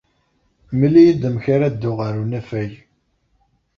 Mel-iyi-d amek ara dduɣ ɣer unafag.